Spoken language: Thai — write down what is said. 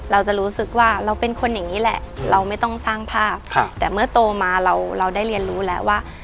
เราจะรู้สึกว่าเราเป็นคนอย่างนี้แหละเราไม่ต้องสร้างภาพแต่เมื่อโตมาเราได้เรียนรู้แล้วว่า